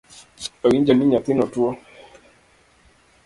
Awinjo ni nyathino tuo